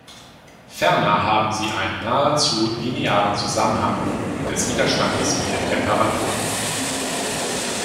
Ferner haben sie einen nahezu linearen Zusammenhang des Widerstandes mit der Temperatur.